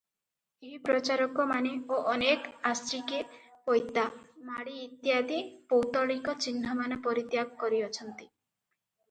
ଏହି ପ୍ରଚାରକମାନେ ଓ ଅନେକ ଆଶ୍ରିକେ ପୈତା, ମାଳି ଇତ୍ୟାଦି ପୌତ୍ତଳିକ ଚିହ୍ନମାନ ପରିତ୍ୟାଗ କରିଅଛନ୍ତି ।